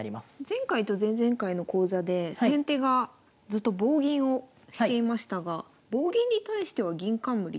前回と前々回の講座で先手がずっと棒銀をしていましたが棒銀に対しては銀冠っていいんですか？